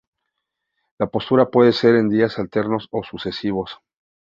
La postura puede ser en días alternos o sucesivos.